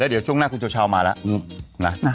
แล้วเดี๋ยวช่วงหน้าคุณโฌลว์มาแล้ว